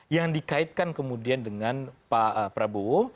yang dikaitkan kemudian dengan pak prabowo